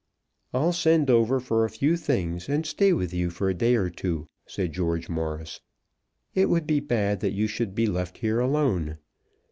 "I'll send over for a few things, and stay with you for a day or two," said George Morris. "It would be bad that you should be left here alone."